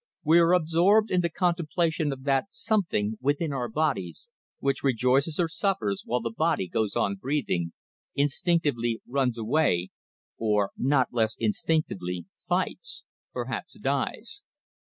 We are absorbed in the contemplation of that something, within our bodies, which rejoices or suffers while the body goes on breathing, instinctively runs away or, not less instinctively, fights perhaps dies.